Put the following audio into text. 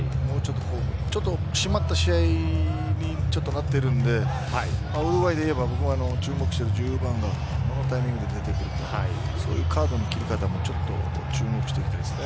ちょっと締まった試合になっているのでウルグアイで言えば注目している１０番どのタイミングで出てくるかそのカードの切り方も注目していきたいです。